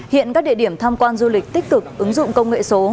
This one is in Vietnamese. hiện các địa điểm tham quan du lịch tích cực ứng dụng công nghệ số